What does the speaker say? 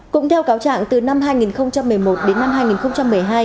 cũng theo cáo trạng từ năm hai nghìn một mươi một đến năm hai nghìn một mươi hai